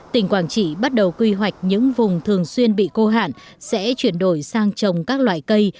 tỉnh quảng trị bắt đầu quy hoạch những vùng thường xuyên bị cô hạn sẽ chuyển đổi sang trồng các loại cây